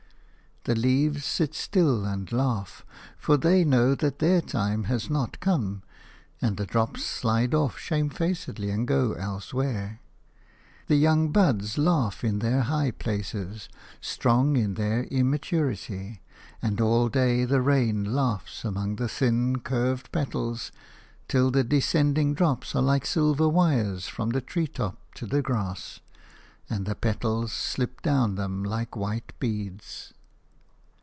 The leaves sit still and laugh, for they know that their time has not come, and the drops slide off shamefacedly and go elsewhere. The young buds laugh in their high places, strong in their immaturity; and all day the rain laughs among the thin, curved petals, till the descending drops are like silver wires from the treetop to the grass, and the petals slip down them like white beads.